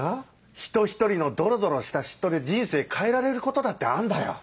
人ひとりのドロドロした嫉妬で人生変えられることだってあんだよ。